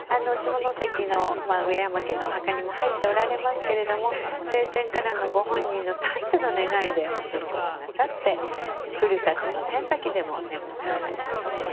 下関の上山家のお墓にも入っておられますけれども生前からのご本人のたっての願いで分骨なさってふるさとの仙崎でも眠っておられます。